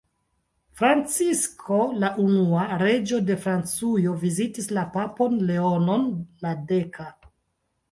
Francisko la unua, reĝo de Francujo vizitis la papon Leonon la deka.